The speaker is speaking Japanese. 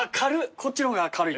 こっちの方が軽いね。